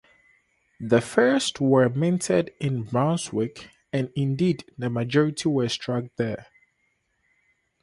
The first were minted in Brunswick, and indeed the majority were struck there.